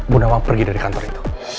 bu nawang pergi dari kantor itu